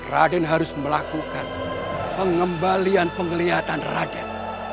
raden harus melakukan pengembalian penglihatan raden